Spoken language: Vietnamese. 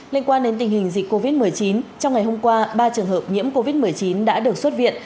liên quan đến tình hình dịch covid một mươi chín trong ngày hôm qua ba trường hợp nhiễm covid một mươi chín đã được xuất viện